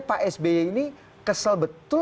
pak sby ini kesel betul